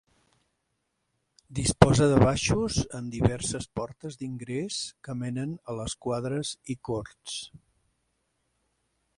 Disposa de baixos, amb diverses portes d'ingrés que menen a les quadres i corts.